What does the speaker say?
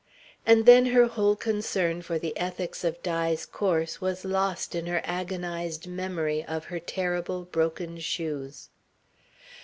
And then her whole concern for the ethics of Di's course was lost in her agonised memory of her terrible, broken shoes.